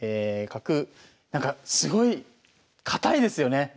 角なんかすごい堅いですよね。